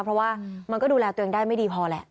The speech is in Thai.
เพราะว่ามันก็ดูแลตัวเองได้ไม่ดีพอแหละ